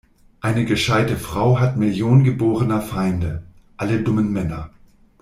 Eine gescheite Frau hat Millionen geborener Feinde: alle dummen Männer.